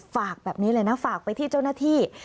ฝากแบบนี้เลยนะฝากไปที่เจ้าหน้าที่